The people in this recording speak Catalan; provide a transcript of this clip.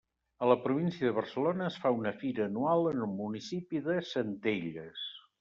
A la província de Barcelona es fa una fira anual en el municipi de Centelles.